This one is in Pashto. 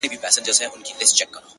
څوك به ګوري پر رحمان باندي فالونه.!